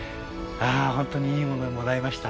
本当にいいものをもらいました。